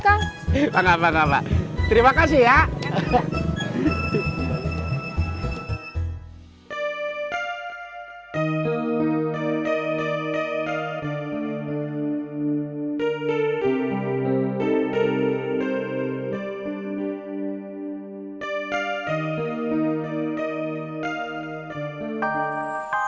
kenapa kamu lakukannya garam